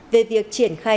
về việc triển khai thông tin